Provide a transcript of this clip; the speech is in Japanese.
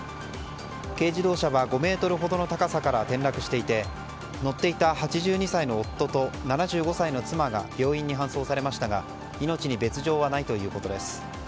軽自動車は５ｍほどの高さから転落していて乗っていた８２歳の夫と７５歳の妻が病院に搬送されましたが命に別条はないということです。